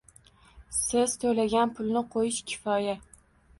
Siz to'lagan pulni qo'yish kifoya